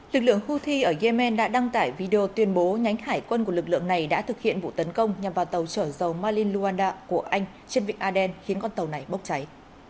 lực lượng houthi ở yemen đã đăng tải video tuyên bố nhánh hải quân của lực lượng này đã thực hiện vụ tấn công nhằm vào tàu trở dầu malin luanda của anh trên vịnh aden khiến con tàu này bốc cháy